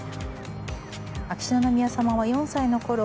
秋篠宮さまは４歳のころ